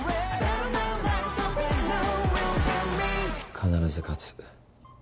必ず勝つ。